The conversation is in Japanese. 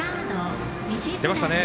出ましたね。